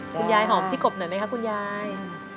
หอมพี่กบหน่อยไหมคะคุณยาย